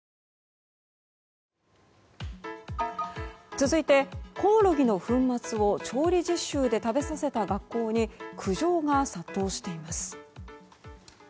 続いて、コオロギの粉末を調理実習で食べさせた学校に苦情が殺到しています。